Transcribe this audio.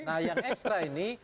nah yang ekstra ini